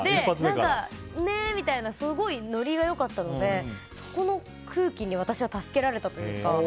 ねみたいなすごいノリが良かったのでその空気に私は助けられたというか。